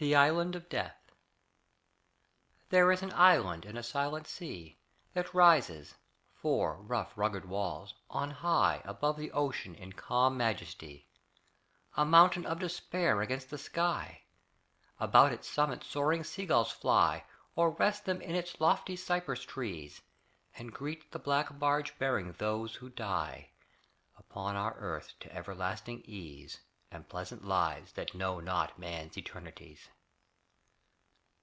THE ISLAND OF DEATH There is an island in a silent sea That rises four, rough, rugged walls on high Above the ocean in calm majesty. A mountain of despair against the sky! About its summit soaring seagulls fly, Or rest them in its lofty cypress trees, And greet the black barge bearing those who die Upon our earth to everlasting ease And pleasant lives that know not man's eternities.